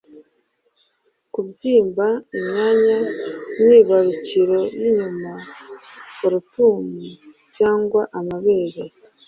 kubyimba imyanya myibarukiro y’inyuma (scrotum) cyangwa amabere